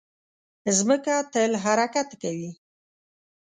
مځکه تل حرکت کوي.